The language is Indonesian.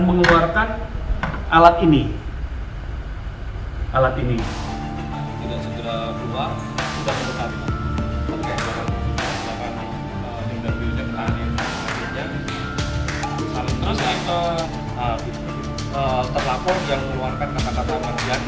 mengeluarkan alat ini alat ini kita segera buang sudah kebetulan